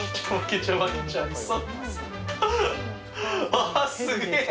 あすげえ！